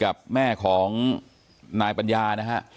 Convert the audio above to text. เราได้คุยกับแม่ของนายปัญญานะฮะ